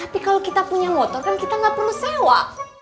tapi kalau kita punya motor kan kita nggak perlu sewa